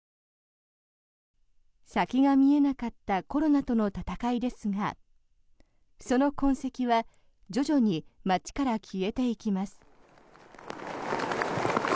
先が見えなかったコロナとの闘いですがその痕跡は徐々に街から消えていきます。